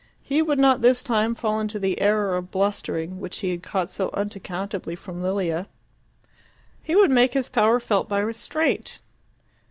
He would not this time fall into the error of blustering, which he had caught so unaccountably from Lilia. He would make his power felt by restraint.